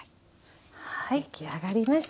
出来上がりました！